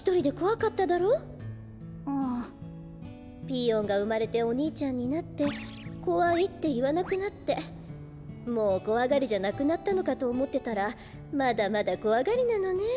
ピーヨンがうまれておにいちゃんになって「こわい」っていわなくなってもうこわがりじゃなくなったのかとおもってたらまだまだこわがりなのねえ。